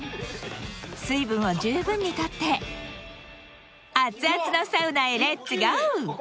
水分を十分にとって熱々のサウナへレッツゴー！